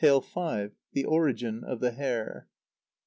v. _The Origin of the Hare.